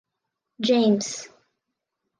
James.